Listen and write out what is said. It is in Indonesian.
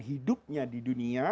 hidupnya di dunia